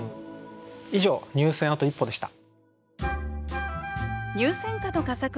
以上「入選あと一歩」でした。